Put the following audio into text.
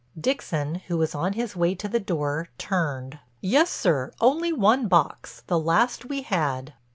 Dixon who was on his way to the door turned: "Yes, sir, only one box, the last we had."